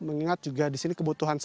mengingat juga di sini kebutuhan